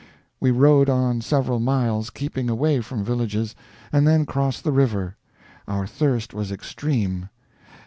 We rode on several miles, keeping away from villages, and then crossed the river. Our thirst was extreme.